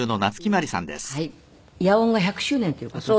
野音が１００周年という事で。